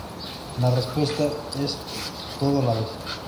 La respuesta es: todo a la vez.